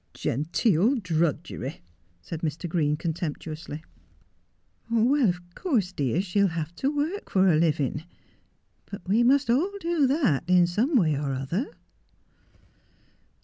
' Genteel drudgery !' said Mr. Green contemptuously. ' "Well, of course, dear, she'll have to work for her living ; but we must all do that in some way or other.'